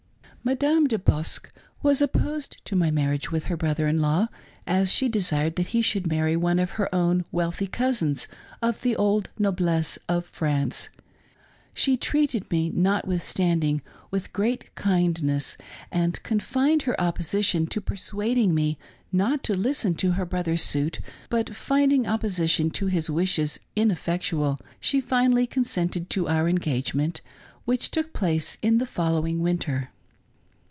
Madame De Bosque was opposed to my marriage with her brother in law, as she desired that he should marry one of her own wealthy cousins of the old noblesse of France. She treated me, notwithstanding, with great kindness and confined her opposition to persuading me not to listen to her brother's suit ; but finding opposition to his wishes ineffectual, she finally consented to our engagement, which took place in the following winter.